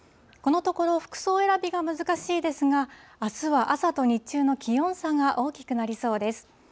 このところ、服装選びが難しいですが、あすは朝と日中の気温差が大きくなりそうです。